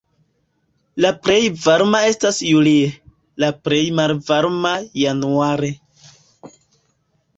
La plej varma estas julie, la plej malvarma januare.